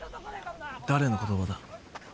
誰の言葉だ？